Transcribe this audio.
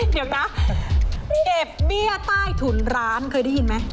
เดี๋ยวนะเก็บเบี้ยใต้ถุนร้านเคยได้ยินไหม